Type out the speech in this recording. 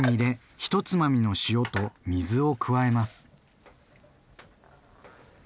１つまみの塩と水を加えます。